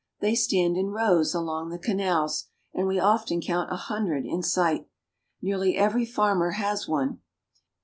They stand in rows along the canals, and we often count a hundred in sight. Nearly every farmer has one.